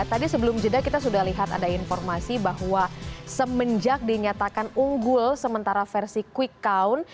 tadi sebelum jeda kita sudah lihat ada informasi bahwa semenjak dinyatakan unggul sementara versi quick count